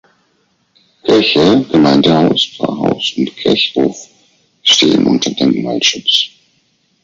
Kirche, Gemeindehaus, Pfarrhaus und Kirchhof stehen unter Denkmalschutz.